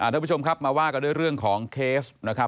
ทุกผู้ชมครับมาว่ากันด้วยเรื่องของเคสนะครับ